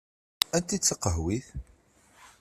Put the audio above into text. Anta i d taqehwit?